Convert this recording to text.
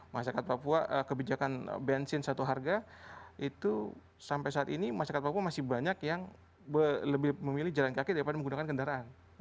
masyarakat papua kebijakan bensin satu harga itu sampai saat ini masyarakat papua masih banyak yang lebih memilih jalan kaki daripada menggunakan kendaraan